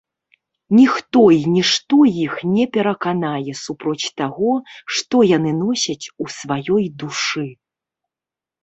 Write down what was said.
Ніхто і нішто іх не пераканае супроць таго, што яны носяць у сваёй душы.